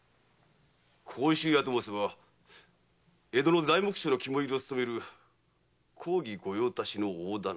甲州屋と申せば江戸の材木商の肝煎を務める公儀御用達の大店。